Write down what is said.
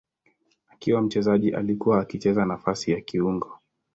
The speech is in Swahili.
Akiwa mchezaji alikuwa akicheza nafasi ya kiungo.